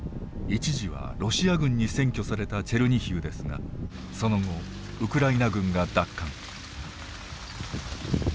一時はロシア軍に占拠されたチェルニヒウですがその後ウクライナ軍が奪還。